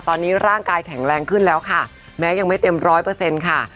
ตอนนี้ร่างกายแข็งแรงขึ้นแล้วค่ะแม้ยังไม่เต็ม๑๐๐ค่ะ